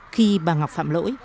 khi bà ngọc phạm lỗi